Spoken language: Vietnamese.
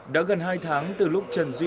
đã gần hai tháng từ lúc trần duy